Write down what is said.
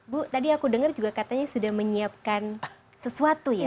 bu tadi aku dengar juga katanya sudah menyiapkan sesuatu ya